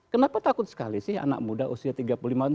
kenapa takut sekali sih anak muda usia tiga puluh lima tahun